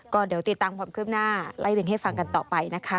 ก็เดี๋ยวติดตามความคืบหน้าไล่วินให้ฟังกันต่อไปนะคะ